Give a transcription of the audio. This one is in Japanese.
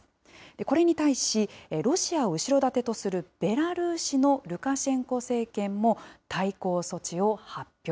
これに対し、ロシアを後ろ盾とするベラルーシのルカシェンコ政権も対抗措置を発表。